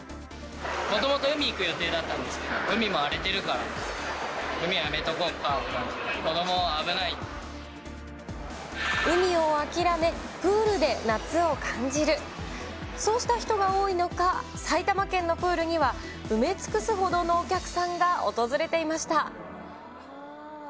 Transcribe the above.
もともと海に行く予定だったんですけど、海も荒れてるから、海はやめておこうかって感じで、海を諦め、プールで夏を感じる、そうした人が多い中、埼玉県のプールには、埋め尽くすほどのお客さんが訪れていました。